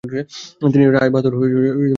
তিনি রায়বাহাদুর খেতাব পান।